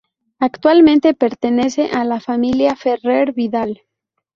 Actualmente, pertenece a la familia Ferrer-Vidal.